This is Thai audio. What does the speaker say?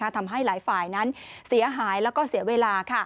ทำให้หลายฝ่ายนั้นเสียหายแล้วก็เสียเวลา